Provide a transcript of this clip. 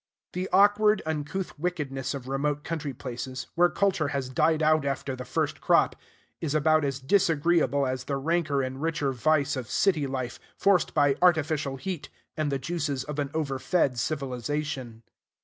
The awkward, uncouth wickedness of remote country places, where culture has died out after the first crop, is about as disagreeable as the ranker and richer vice of city life, forced by artificial heat and the juices of an overfed civilization.